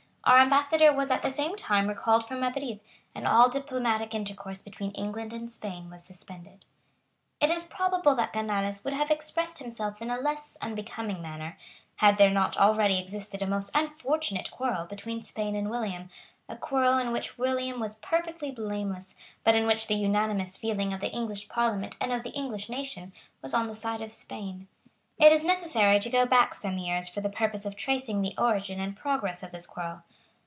Our ambassador was at the same time recalled from Madrid; and all diplomatic intercourse between England and Spain was suspended. It is probable that Canales would have expressed himself in a less unbecoming manner, had there not already existed a most unfortunate quarrel between Spain and William, a quarrel in which William was perfectly blameless, but in which the unanimous feeling of the English Parliament and of the English nation was on the side of Spain. It is necessary to go back some years for the purpose of tracing the origin and progress of this quarrel.